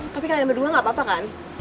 tapi kalian berdua gak apa apa kan